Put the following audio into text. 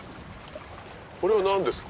これは何ですか？